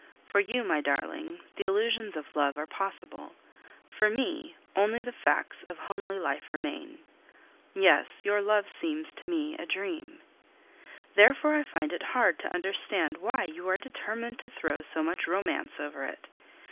For you, my darling, the illusions of love are possible; for me, only the facts of homely life remain. Yes, your love seems to me a dream! Therefore I find it hard to understand why you are determined to throw so much romance over it.